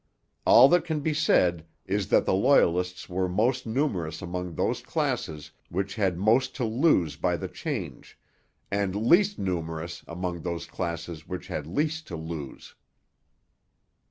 All that can be said is that the Loyalists were most numerous among those classes which had most to lose by the change, and least numerous among those classes which had least to lose.